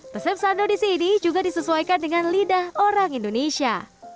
pesep sandow di sini juga disesuaikan dengan lidah orang indonesia